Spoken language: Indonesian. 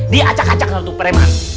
diacak acak waktu preman